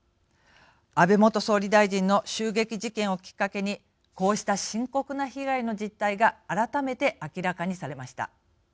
安倍元総理大臣の襲撃事件をきっかけにこうした深刻な被害の実態が改めて明らかにされました。